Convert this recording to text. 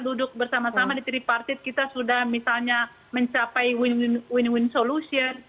duduk bersama sama di tripartit kita sudah misalnya mencapai win win solution